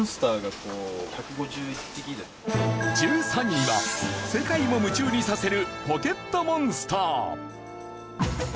１３位は世界も夢中にさせる『ポケットモンスター』。